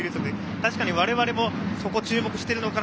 確かに我々もそこに注目しているのかな